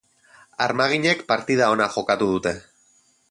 Armaginek partida ona jokatu dute.